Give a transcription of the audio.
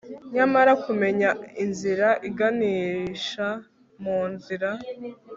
Nyamara kumenya inzira iganisha munzira